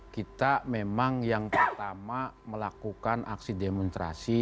kita memang yang pertama melakukan aksi demonstrasi